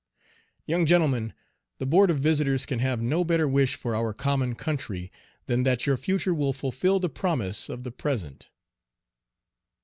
Young gentlemen, the Board of Visitors can have no better wish for our common country than that your future will fulfil the promise of the present.